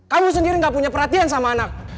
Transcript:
kamu sendiri gak punya perhatian sama anak